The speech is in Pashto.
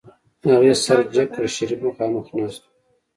هغې سر جګ کړ شريف مخاخ ناست و.